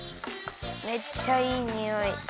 めっちゃいいにおい。